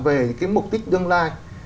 về cái mục đích tương lai